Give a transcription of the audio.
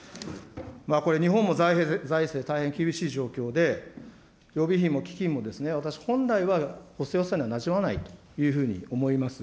これ、日本も財政、大変厳しい状況で、予備費も基金も、私、本来は補正予算にはなじまないというふうに思います。